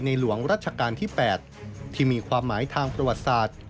หลวงรัชกาลที่๘ที่มีความหมายทางประวัติศาสตร์